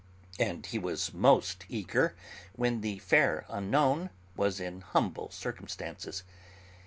And he was most eager when the fair unknown was in humble circumstances.